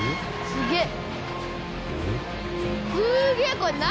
すげえ。